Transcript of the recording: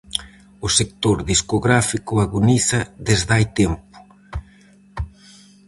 O sector discográfico agoniza desde hai tempo.